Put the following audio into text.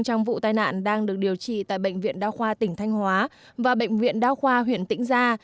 trong vụ tai nạn đang được điều trị tại bệnh viện đa khoa tỉnh thanh hóa và bệnh viện đao khoa huyện tĩnh gia